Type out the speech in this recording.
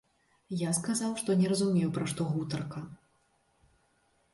Я сказаў, што не разумею, пра што гутарка.